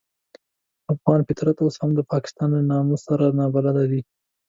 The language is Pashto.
افغان فطرت اوس هم د پاکستان له نامه سره نابلده دی.